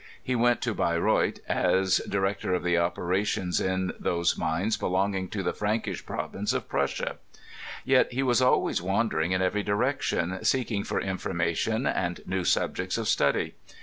He went to Beyreuth as Director of the operations in those mines belonging to the Frankish Provinces of Prussia. Yet he was always wandering in every direction, seeking for information and new subjects of study.